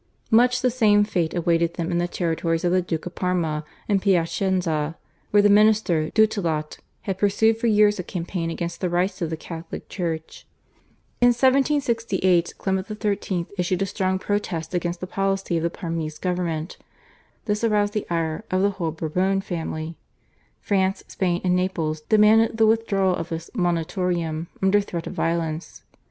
Much the same fate awaited them in the territories of the Duke of Parma and Piacenza, where the minister du Tillot had pursued for years a campaign against the rights of the Catholic Church. In 1768 Clement XIII. issued a strong protest against the policy of the Parmese government. This aroused the ire of the whole Bourbon family. France, Spain, and Naples demanded the withdrawal of this /Monitorium/ under threat of violence.